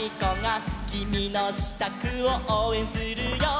「きみのしたくをおうえんするよ」